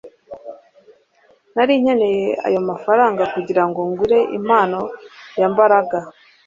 Nari nkeneye ayo mafaranga kugirango ngure impano ya Mbaraga